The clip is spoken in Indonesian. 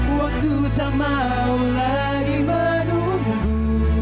waktu tak mau lagi menunggu